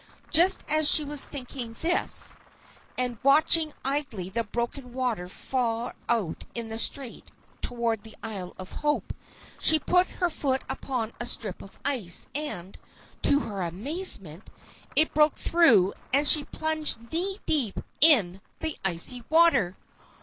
Just as she was thinking this and watching idly the broken water far out in the strait toward the Isle of Hope, she put her foot upon a strip of ice and, to her amazement, it broke through and she plunged knee deep in the icy water.